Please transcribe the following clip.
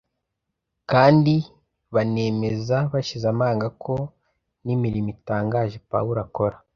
kandi banemeza bashize amanga ko n’imirimo itangaje Pawulo akora